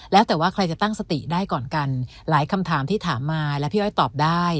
แล้วแต่ว่าใครจะตั้งสติได้ก่อนกันหลายคำถามที่ถามมาแล้วพี่อ้อยตอบได้